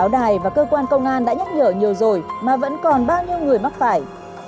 đài và cơ quan công an đã nhắc nhở nhiều rồi mà vẫn còn bao nhiêu người mắc phải